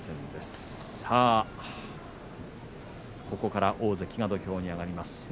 ここから大関が土俵に上がります。